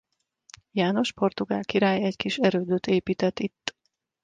János portugál király egy kis erődöt épített itt.